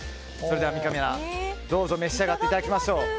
それでは三上アナ、どうぞ召し上がっていただきましょう。